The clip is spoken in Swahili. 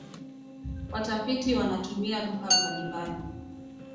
Watafiti wanatumia lugha mbali mbali